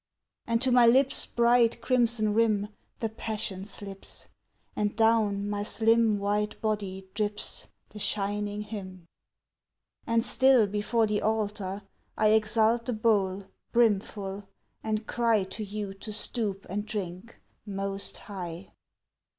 And to my lips' Bright crimson rim The passion slips, And down my slim White body drips The shining hymn. And still before The altar I Exult the bowl Brimful, and cry To you to stoop And drink, Most High.